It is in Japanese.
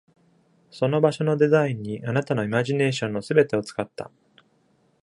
その場所のデザインにあなたのイマジネーションの全てを使った。